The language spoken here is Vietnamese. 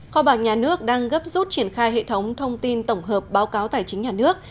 kho bạc nhà nước đang gấp rút triển khai hệ thống thông tin tổng hợp báo cáo tài chính nhà nước